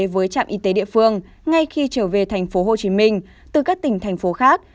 với trạm y tế địa phương ngay khi trở về tp hcm từ các tỉnh thành phố khác